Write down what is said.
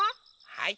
はい。